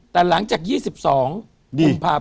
แต่หลังจาก๒๒กุมภาพันธ์